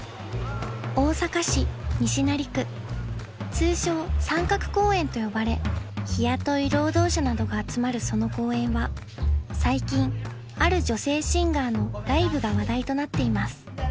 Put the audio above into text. ［通称「三角公園」と呼ばれ日雇い労働者などが集まるその公園は最近ある女性シンガーのライブが話題となっています］